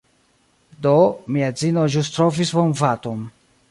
Do, mia edzino ĵus trovis vombaton.